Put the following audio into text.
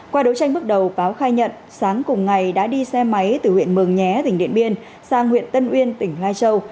qua đấu tranh bước đầu báo khai nhận sáng cùng ngày đã đi xe máy từ huyện mường nhé tỉnh điện biên sang huyện tân uyên tỉnh lai châu